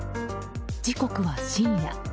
時刻は深夜。